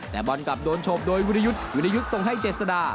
แต่บอลกลับโดนฉบโดยวิรยุทธ์วิรยุทธ์ส่งให้เจษดา